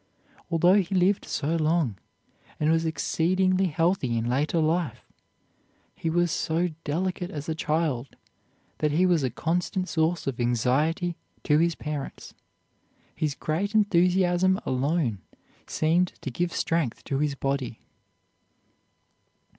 Although he lived so long, and was exceedingly healthy in later life, he was so delicate as a child that he was a constant source of anxiety to his parents. His great enthusiasm alone seemed to give strength to his body.